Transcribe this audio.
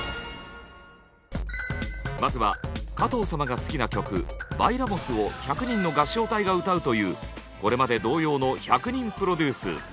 まずは加藤様が好きな曲「バイラモス」を１００人の合唱隊が歌うというこれまで同様の１００人プロデュース。